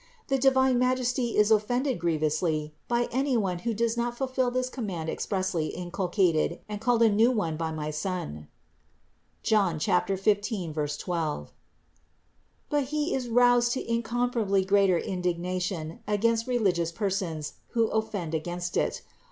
The divine Majesty is offended grievously by any one who does not fulfill this command expressly inculcated and called a new one by my Son (John 15, 12) ; but He is roused to incomparably greater indignation against religious per sons, who offend against it.